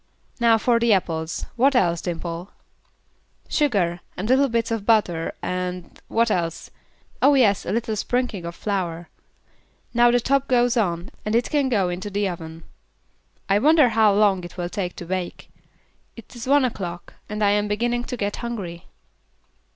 "Now for the apples; what else, Dimple?" "Sugar, and little bits of butter and what else? Oh, yes, a little sprinkling of flour. Now the top goes on, and it can go into the oven. I wonder how long it will take to bake. It is one o'clock, and I am beginning to get hungry.